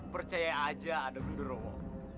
percaya aja ada bundurowo